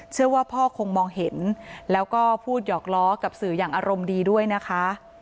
เชื่อว่าพ่อคงมองเห็นแล้วก็พูดหยอกล้อกับสื่ออย่างอารมณ์ดีด้วยนะคะ